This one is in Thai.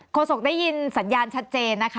โศกได้ยินสัญญาณชัดเจนนะคะ